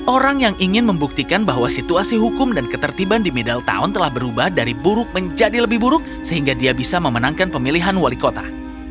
orang yang ingin membuktikan bahwa situasi hukum dan ketertiban di middletown telah berubah dari buruk menjadi lebih buruk sehingga dia bisa memenangkan pemilihan wali kota